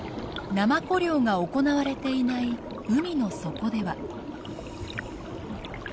ナマコ漁が行われていない海の底では。